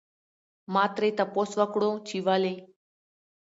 ما ترې تپوس وکړو چې ولې؟